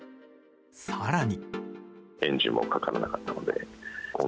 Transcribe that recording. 更に。